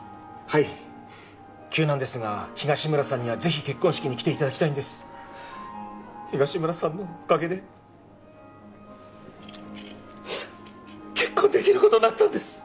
はい急なんですが東村さんには是非結婚式に来ていただきたいんです東村さんのおかげで結婚できることになったんです